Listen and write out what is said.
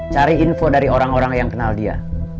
cari info dari orang orang yang kenal dia